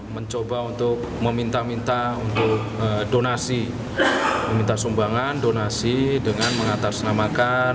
mencoba untuk meminta minta untuk donasi meminta sumbangan donasi dengan mengatasnamakan